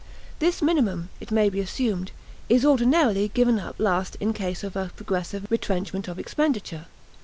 This minimum, it may be assumed, is ordinarily given up last in case of a progressive retrenchment of expenditure.